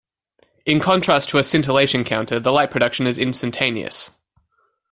In contrast to a scintillation counter the light production is instantaneous.